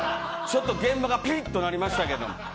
現場がぴりっとなりましたけど。